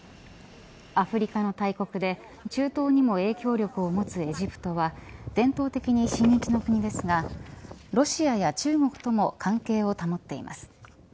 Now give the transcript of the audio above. アフリカの大国で中東にも影響力を持つエジプトは伝統的に親日の国ですがロシアや中国とも関係を保っています。